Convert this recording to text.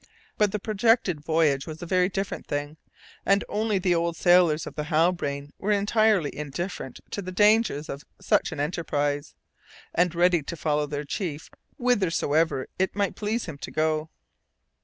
But the projected voyage was a very different thing; and only the old sailors of the Halbrane were entirely indifferent to the dangers of such an enterprise, and ready to follow their chief whithersoever it might please him to go.